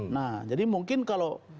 nah jadi mungkin kalau